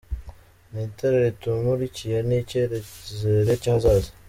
Ni itara ritumurikiye, ni icyizere cy’ahazaza!